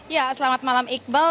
ya selamat malam iqbal